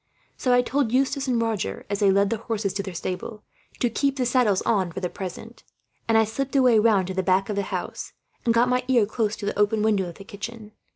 So I told Eustace and Roger, as they led the horses to the stable, to keep the saddles on for the present; and I slipped away round to the back of the house, and got my ear close to the open window of the kitchen.